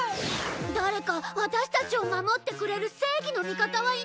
誰かワタシたちを守ってくれる正義の味方はいないかしら？